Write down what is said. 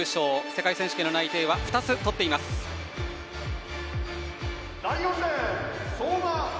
世界選手権の内定は２つとっています池江。